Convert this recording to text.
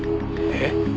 えっ？